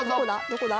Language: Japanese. どこだ？